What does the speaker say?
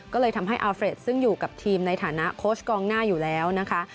ก็เลยทำให้อาเฟรดซึ่งอยู่กับทีมในฐานะโค้ชกองหน้าอยู่แล้วนะคะ